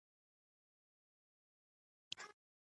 جوګیانو ته یې وویل چې ده نه وي لیدلي هغه وکړي.